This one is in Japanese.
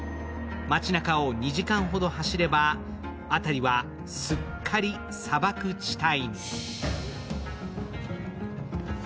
街中を２時間ほど走れば、辺りはすっかり砂漠地帯。